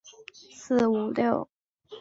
飞鹫是日本将棋的棋子之一。